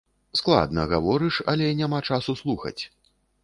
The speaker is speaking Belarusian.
Складна гаворыш, але няма часу слухаць.